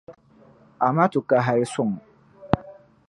Amaatu ka hali suŋ.